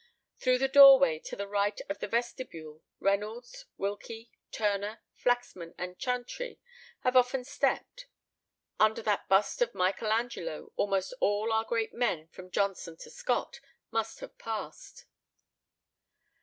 Through the doorway to the right of the vestibule, Reynolds, Wilkie, Turner, Flaxman, and Chantrey have often stepped. Under that bust of Michael Angelo almost all our great men from Johnson to Scott must have passed.